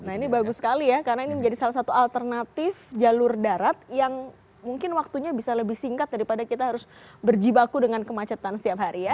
nah ini bagus sekali ya karena ini menjadi salah satu alternatif jalur darat yang mungkin waktunya bisa lebih singkat daripada kita harus berjibaku dengan kemacetan setiap hari ya